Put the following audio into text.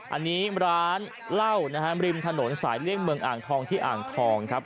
อันนี้ร้านเหล้านะฮะริมถนนสายเลี่ยงเมืองอ่างทองที่อ่างทองครับ